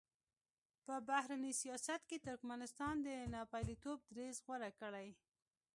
په بهرني سیاست کې ترکمنستان د ناپېیلتوب دریځ غوره کړی.